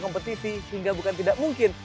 kompetisi hingga bukan tidak mungkin